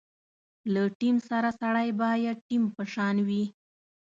له ټیم سره سړی باید ټیم په شان وي.